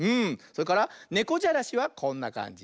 それからねこじゃらしはこんなかんじ。